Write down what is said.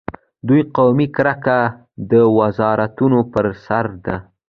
د دوی قومي کرکه د وزارتونو پر سر ده.